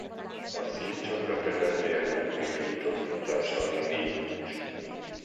A szín-csakraterápiának bizonyított hatása nincs.